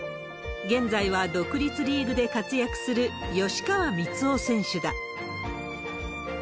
現在は独立リーグで活躍する吉川光夫選手だ。